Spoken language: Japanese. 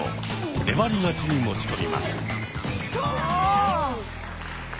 粘り勝ちに持ち込みます。